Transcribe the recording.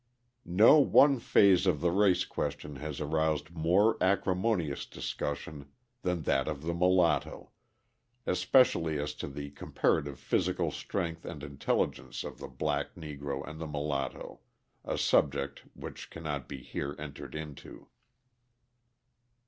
No one phase of the race question has aroused more acrimonious discussion than that of the Mulatto, especially as to the comparative physical strength and intelligence of the black Negro and the mulatto, a subject which cannot be here entered into.